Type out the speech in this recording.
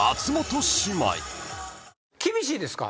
厳しいですか？